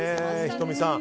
仁美さん。